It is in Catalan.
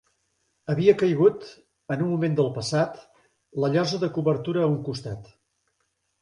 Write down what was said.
Havia caigut, en algun moment del passat, la llosa de cobertura a un costat.